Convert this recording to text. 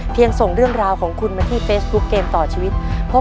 ส่งเรื่องราวของคุณมาที่เฟซบุ๊คเกมต่อชีวิต